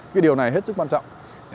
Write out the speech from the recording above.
cái điều này hết sức quan trọng